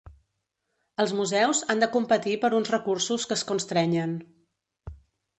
Els museus han de competir per uns recursos que es constrenyen.